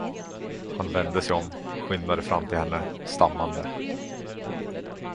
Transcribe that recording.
Han vände sig om, skyndade fram till henne, stammande.